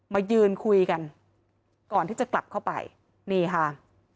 มายืนคุยกันก่อนที่จะกลับเข้าไปนี่ค่ะ